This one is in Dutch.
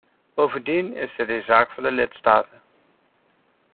Bovendien is dit een zaak voor de lidstaten.